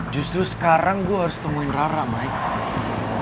justru sekarang gue harus temuin rara mike